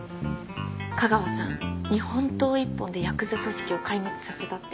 架川さん日本刀一本でヤクザ組織を壊滅させたって。